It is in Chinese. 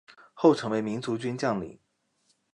后成为民族军将领。